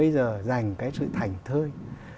làm cái sự thảnh thơi